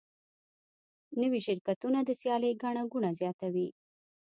نوي شرکتونه د سیالۍ ګڼه ګوڼه زیاتوي.